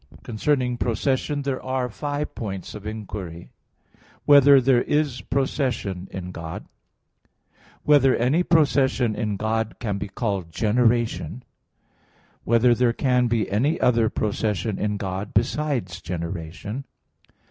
Concerning procession there are five points of inquiry: (1) Whether there is procession in God? (2) Whether any procession in God can be called generation? (3) Whether there can be any other procession in God besides generation?